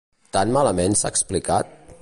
Tan malament s’ha explicat?